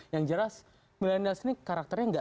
yang jelas milenials ini karakternya enggak